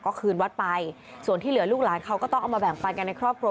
ก็คืนวัดไปส่วนที่เหลือลูกหลานเขาก็ต้องเอามาแบ่งปันกันในครอบครัว